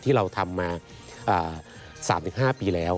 ที่เราทำมา๓๕ปีแล้ว